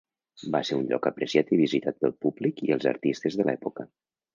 Va ser un lloc apreciat i visitat pel públic i els artistes de l'època.